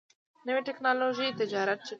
نوې ټکنالوژي تجارت چټکوي.